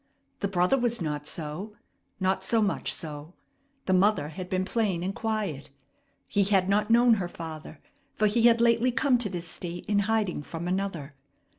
The brother was not so, not so much so; the mother had been plain and quiet. He had not known her father, for he had lately come to this State in hiding from another.